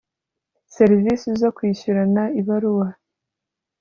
serivisi zo kwishyurana ibaruwa